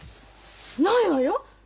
ないわよ。